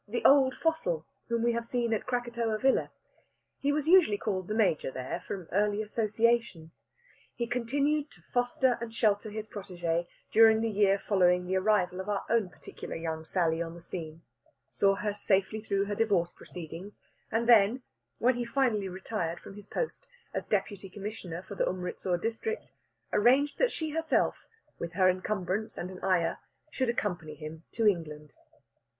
the "old fossil" whom we have seen at Krakatoa Villa. He was usually called "the Major" there, from early association. He continued to foster and shelter his protégée during the year following the arrival of our own particular young Sally on the scene, saw her safely through her divorce proceedings, and then, when he finally retired from his post as deputy commissioner for the Umritsur district, arranged that she herself, with her encumbrance and an ayah, should accompany him to England.